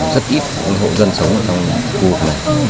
rất ít hộ dân sống ở trong khu vực này